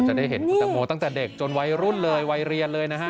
จะได้เห็นคุณตังโมตั้งแต่เด็กจนวัยรุ่นเลยวัยเรียนเลยนะฮะ